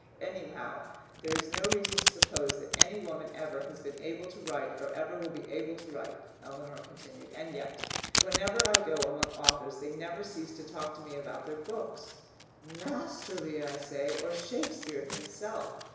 "Anyhow, there is no reason to suppose that any woman ever has been able to write or ever will be able to write," Eleanor continued. "And yet, whenever I go among authors they never cease to talk to me about their books. Masterly! I say, or Shakespeare himself!